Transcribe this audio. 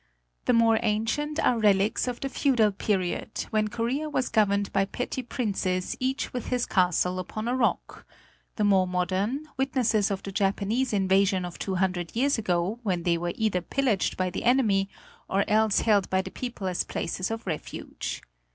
The more ancient are relics of the feudal period, when Korea was governed by petty princes each with his castle upon a rock; the more modern, witnesses of the Japanese invasion of two hundred years ago, when they were either pillaged by the enemy or else held by the people as places of refuge.